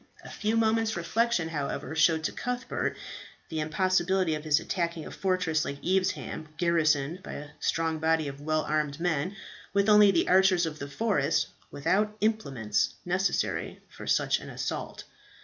A few moments' reflection, however, showed to Cuthbert the impossibility of his attacking a fortress like Evesham, garrisoned by a strong body of well armed men, with only the archers of the forest, without implements necessary for such an assault.